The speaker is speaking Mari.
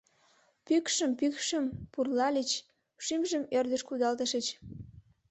Пӱкшым пӱкшым - пурлальыч, шӱмжым ӧрдыж кудалтышыч